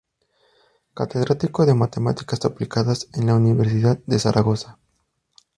Catedrático de Matemáticas Aplicadas en la Universidad de Zaragoza.